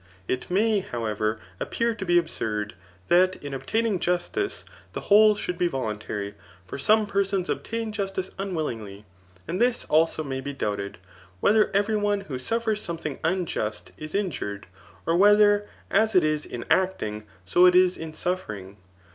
It may, however, appear to be absurd, that in obtaining justice, the whole should be voluntary ; for some persons obtain justice unwillingly. And this also may be doubted, whether every one who suffers something imjust is injured; or whether as it is in acting, so it is in suffering